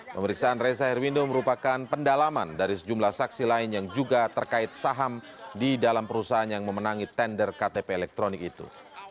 pemeriksaan reza herwindo merupakan pendalaman dari sejumlah saksi lain yang juga terkait saham di dalam perusahaan yang memenangi tender ktp elektronik itu